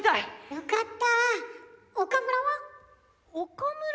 よかった。